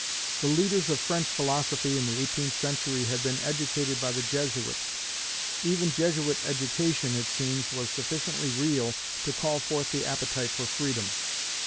The leaders of French philosophy in the eighteenth century had been educated by the Jesuits. Even Jesuit education, it seems, was sufficiently real to call forth the appetite for freedom.